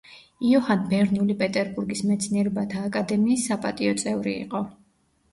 იოჰან ბერნული პეტერბურგის მეცნიერებათა აკადემიის საპატიო წევრი იყო.